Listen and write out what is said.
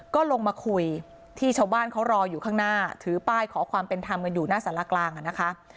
ก็ลงมาคุยที่ชาวบ้านเขารออยู่ข้างหน้าถือป้ายขอความเป็นธรรมกันอยู่หน้าสารกลางอ่ะนะคะ